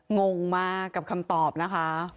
งงมากกับคำตอบนะคะ